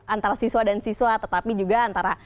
antara siswa dan siswa tetapi juga antara